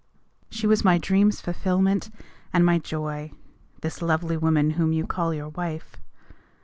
She was my dream's fulfilment and my joy, This lovely woman whom you call your wife.